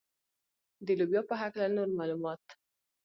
د لوبیا په هکله نور معلومات.